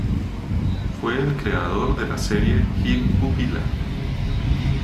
Fue el creador de la serie Gil Pupila.